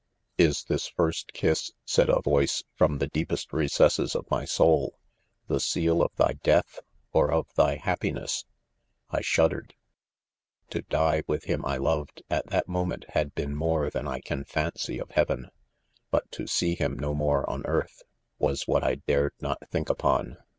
" Is this first kiss," said a voice from the deepest reces ses of my soul, "the seal of thy death or of thy happiness 1" I shuddered. To die with him I loved, at that moment, had been more than I can fancy of heaven 5 but to see him no more on earth; was what I daEed not think up ■on.